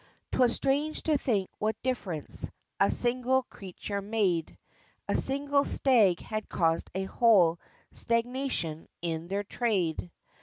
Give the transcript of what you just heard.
'Twas strange to think what difference A single creature made; A single stag had caused a whole _Stag_nation in their trade.